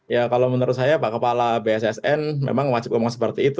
ya kalau menurut saya pak kepala bssn memang wajib ngomong seperti itu